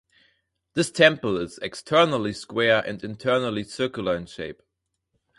This temple is externally square and internally circular in shape.